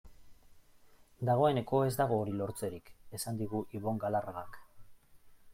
Dagoeneko ez dago hori lortzerik, esan digu Ibon Galarragak.